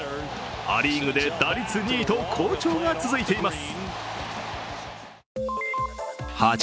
ア・リーグで打率２位と好調が続いています。